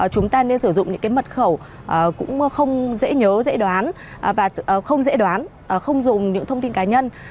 chúng ta nên sử dụng những mật khẩu cũng không dễ nhớ dễ đoán không dùng những thông tin cá nhân